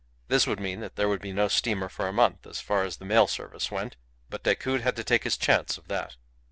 This would mean that there would be no steamer for a month, as far as the mail service went; but Decoud had to take his chance of that.